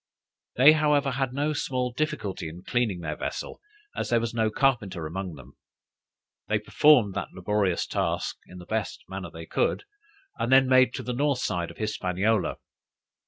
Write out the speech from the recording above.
They, however, had no small difficulty in cleaning their vessel, as there was no carpenter among them. They performed that laborious task in the best manner they could, and then made to the north side of Hispaniola.